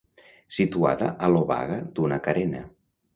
Situada a l'obaga d'una carena.